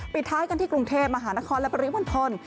ปิดท้ายกันที่กรุงเทพมหานครและปริมณฑล